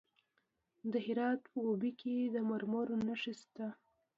د هرات په اوبې کې د مرمرو نښې شته.